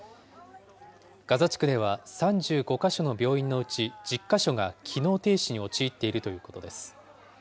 ガザ地区では３５か所の病院のうち１０か所が機能停止に陥っているということです。